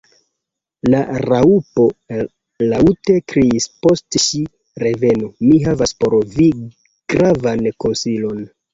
La Raŭpo laŭte kriis post ŝi. "Revenu! mi havas por vi gravan konsilon."